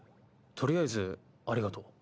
とりあえずありがとう。